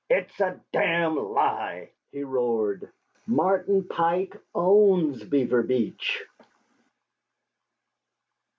"It's a damn lie!" he roared. "Martin Pike owns Beaver Beach!"